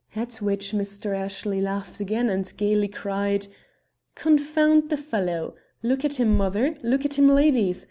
At which Mr. Ashley laughed again and gaily cried: "Confound the fellow! Look at him, mother; look at him, ladies!